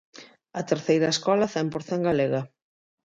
A terceira escola cen por cen galega.